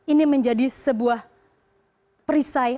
ini menjadi sebuah perisai